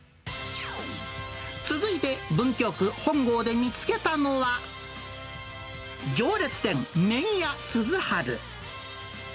続いて、文京区本郷で見つけたのは、行列店、麺屋鈴春。